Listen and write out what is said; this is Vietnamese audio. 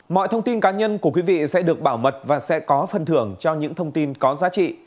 mọi thông tin cá nhân của quý vị sẽ được bảo mật và sẽ có phần thưởng cho những thông tin có giá trị